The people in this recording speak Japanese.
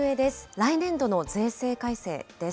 来年度の税制改正です。